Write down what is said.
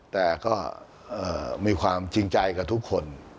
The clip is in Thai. แต่ก็มีความจริงใจกับทุกคน